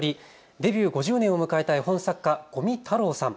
デビュー５０年を迎えた絵本作家、五味太郎さん。